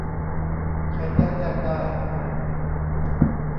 ใช้แต้มแลกได้